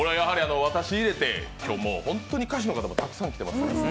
私入れて、今日本当に歌手の方たくさん来てます。